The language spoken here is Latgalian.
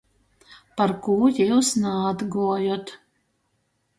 Parkū jius naatguojot?